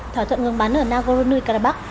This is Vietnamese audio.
thỏa thuận ngưng bắn ở nagorno karabakh